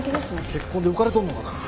結婚で浮かれとんのかなぁ。